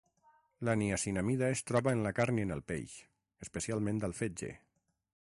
La niacinamida es troba en la carn i en el peix, especialment al fetge.